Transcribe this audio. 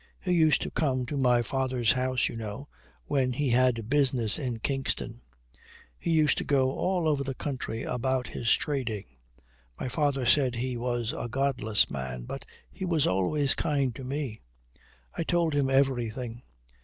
He used to come to my father's house, you know, when he had business in Kingston. He used to go all over the country about his trading. My father said he was a godless man, but he was always kind to me. I told him everything.